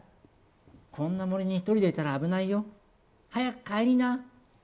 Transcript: こんな森に１人でいたら危ないよ、早く帰りな。